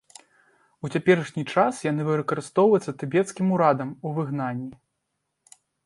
У цяперашні час яны выкарыстоўваюцца тыбецкім урадам у выгнанні.